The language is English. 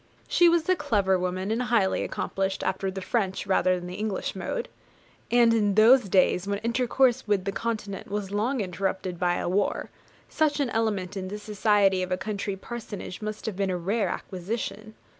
She was a clever woman, and highly accomplished, after the French rather than the English mode; and in those days, when intercourse with the Continent was long interrupted by war, such an element in the society of a country parsonage must have been a rare acquisition.